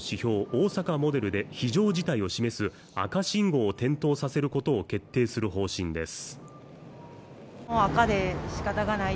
大阪モデルで非常事態を示す赤信号を点灯させることを決定する方針です